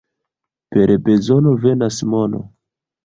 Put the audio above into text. Per bezono venas mono.